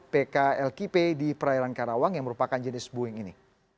pklkp di perairan karawang yang merupakan jenis boeing ini